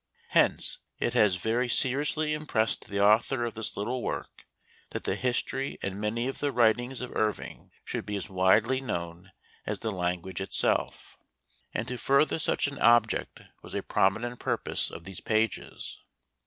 Hence it has very seriously impressed the author of this little work that the history and many of the writings of Irving should be as widely known a.s the language itself, and to 6 Preface. further such an object was a prominent purpose of these pages.